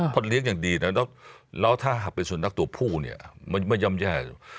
พอเลี้ยงอย่างดีนะแล้วถ้าหากเป็นสุนัขตัวผู้เนี่ยมันไม่ย่ำแย่อยู่